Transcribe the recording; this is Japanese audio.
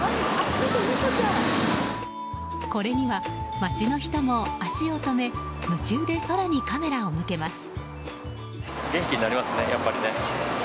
これには、街の人も足を止め夢中で空にカメラを向けます。